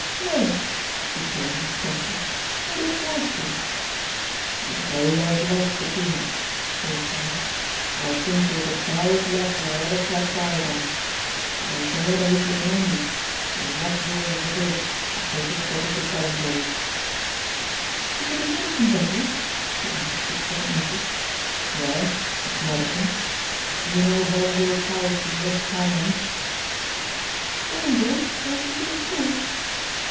"No," she told him promptly; "I don't like you." "There's no love lost between us," he replied, "for I think you're the dourest lassie I ever clapped eyes on, but there's no other litlin handy, so you must do as you are bid, and take this bottle to Ballingall's." "Is it a medicine bottle?" she asked, with sudden interest. "Yes, it's medicine. Do you know Ballingall's house in the West town end?" "Ballingall who has the little school?"